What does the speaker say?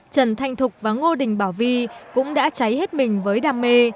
trần thanh thục và ngô đình bảo vi cũng đã cháy hết mình với đam mê